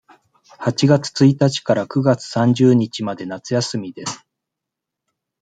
八月一日から九月三十日まで夏休みです。